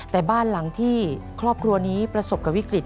แต่บ้านหลังที่ครอบครัวนี้ประสบกับวิกฤต